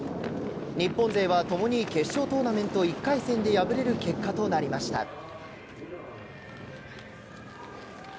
日本勢は共に決勝トーナメント１回戦で敗れる結果となりました。